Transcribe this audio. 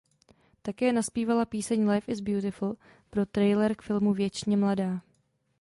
Také nazpívala píseň "Life is Beautiful" pro trailer k filmu "Věčně mladá".